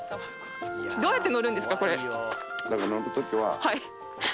どうやって乗るんですか？